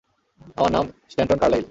আমার নাম Stanton Carlyle.